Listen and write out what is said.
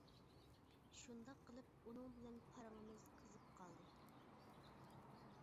شۇنداق قىلىپ ئۇنىڭ بىلەن پارىڭىمىز قىزىپ قالدى.